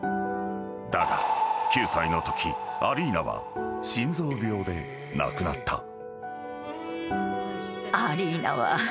［だが９歳のときアリーナは心臓病で亡くなった］